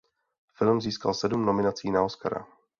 Film získal sedm nominací na Oscara.